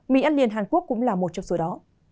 mỹ ăn liền hàn quốc cũng là một trong số đó